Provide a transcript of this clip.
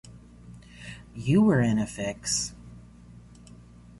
You were in a fix.